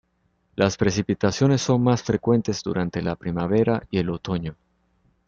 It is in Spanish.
Las precipitaciones son más frecuentes durante la primavera y el otoño.